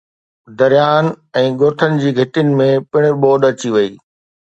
درياهن ۽ ڳوٺن جي گهٽين ۾ پڻ ٻوڏ اچي وئي